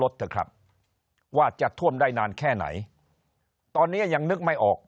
เถอะครับว่าจะท่วมได้นานแค่ไหนตอนนี้ยังนึกไม่ออก